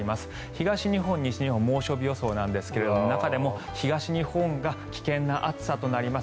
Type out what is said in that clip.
東日本、西日本猛暑日予想なんですが中でも東日本が危険な暑さとなります。